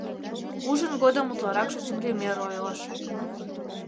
Ужин годым утларакше землемер ойлыш.